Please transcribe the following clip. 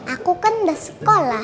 aku kan udah sekolah